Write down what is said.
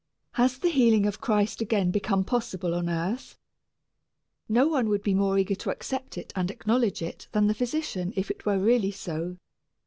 Has the healing of Christ again become possible on earth? No one would be more eager to accept it and acknowledge it than the physician if it were really so.